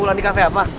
pulang di cafe apa